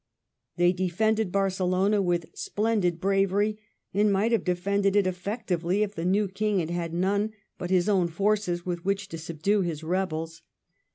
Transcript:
They defended Barcelona with splendid bravery, and might have defended it effectively if the new King had had none but his own forces with which to subdue his rebels.